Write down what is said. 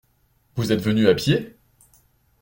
Vous êtes venu à pied ?